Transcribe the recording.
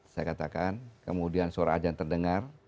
saya katakan kemudian suara ajan terdengar